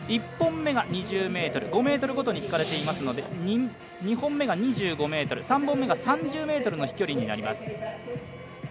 １本目が２０ｍ、５ｍごとにひかれていますので２本目が２５ｍ３本目が３０ｍの飛距離となります。